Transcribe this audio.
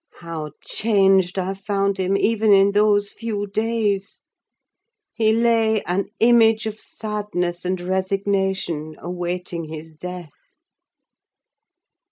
How changed I found him, even in those few days! He lay an image of sadness and resignation awaiting his death.